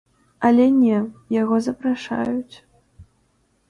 Але не, яго запрашаюць.